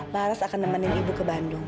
laras akan nemenin ibu ke bandung